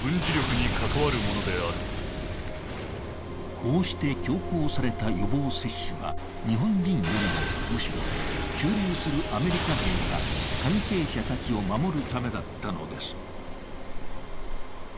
こうして強行された予防接種は日本人よりもむしろ、駐留するアメリカ兵や関係者たちを守るためだったのです。